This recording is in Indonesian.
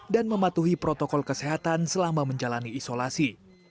dan mematuhi protokol kesehatan selama menjalani isolasi